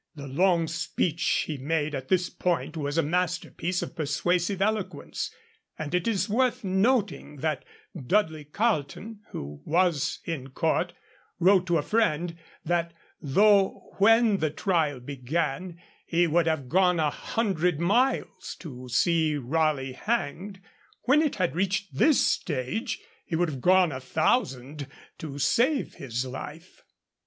The long speech he made at this point was a masterpiece of persuasive eloquence, and it is worth noting that Dudley Carleton, who was in court, wrote to a friend that though when the trial began he would have gone a hundred miles to see Raleigh hanged, when it had reached this stage he would have gone a thousand to save his life.